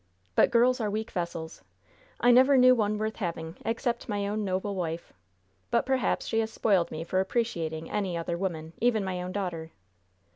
But girls are weak vessels. I never knew one worth having, except my own noble wife! But perhaps she has spoiled me for appreciating any other woman, even my own daughter."